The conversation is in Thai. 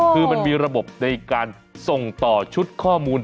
คือมันมีระบบในการส่งต่อชุดข้อมูล